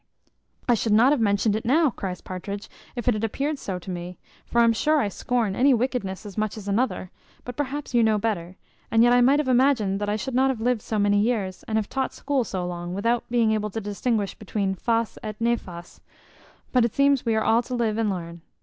"I should not have mentioned it now," cries Partridge, "if it had appeared so to me; for I'm sure I scorn any wickedness as much as another; but perhaps you know better; and yet I might have imagined that I should not have lived so many years, and have taught school so long, without being able to distinguish between fas et nefas; but it seems we are all to live and learn.